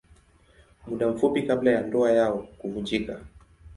Muda mfupi kabla ya ndoa yao kuvunjika.